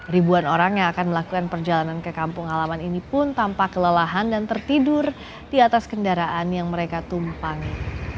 ribuan orang yang akan melakukan perjalanan ke kampung halaman ini pun tampak kelelahan dan tertidur di atas kendaraan yang mereka tumpangi